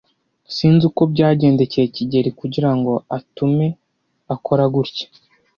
Sinzi uko byagendekeye kigeli kugirango atume akora gutya.